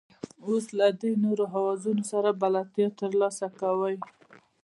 اوس له درې نورو اوزارونو سره بلدیتیا ترلاسه کوئ.